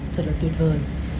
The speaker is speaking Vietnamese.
thật là tuyệt vời